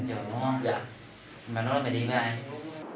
mà nó là bài đi với ai